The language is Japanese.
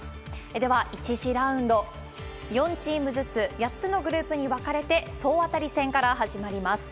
では１次ラウンド、４チームずつ８つのグループに分かれて総当たり戦から始まります。